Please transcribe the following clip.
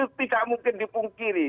itu tidak mungkin dipungkiri